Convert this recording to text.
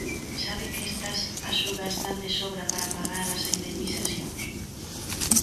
¿Sabe que estas axudas dan de sobra para pagar as indemnizacións?